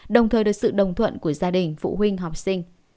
đồng thời được sự đồng thuận của gia đình phụ huynh học sinh